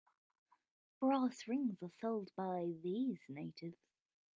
Brass rings are sold by these natives.